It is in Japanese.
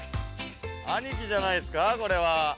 兄貴じゃないですかこれは。